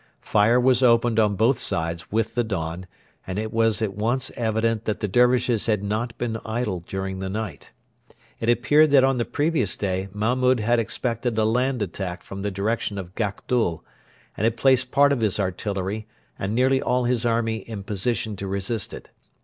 Fire was opened on both sides with the dawn, and it was at once evident that the Dervishes had not been idle during the night. It appeared that on the previous day Mahmud had expected a land attack from the direction of Gakdul, and had placed part of his artillery and nearly all his army in position to resist it.